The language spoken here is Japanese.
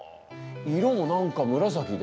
色も何か紫で。